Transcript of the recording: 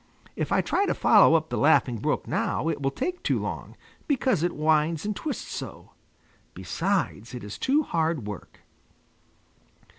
If I try to follow up the Laughing Brook now, it will take too long, because it winds and twists so. Besides, it is too hard work."